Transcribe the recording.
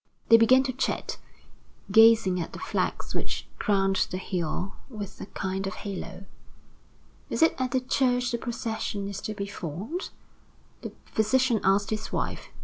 They began to chat, gazing at the flags which crowned the hill with a kind of halo. "Is it at the church the procession is to be formed?" the physician asked his wife.